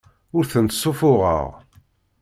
Ur tent-ssuffuɣeɣ.